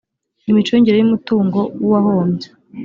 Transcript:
imicungire y umutungo w’uwahombye